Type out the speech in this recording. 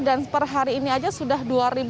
dan perhari ini saja sudah dua empat ratus